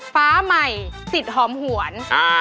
ฟ้าใหม่สิทธิ์หอมหวน